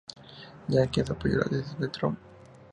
Jenkins apoyó la decisión de Trump.